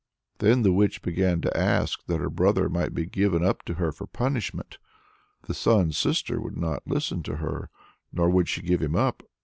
Then the witch began to ask that her brother might be given up to her for punishment. The Sun's Sister would not listen to her, nor would she give him up.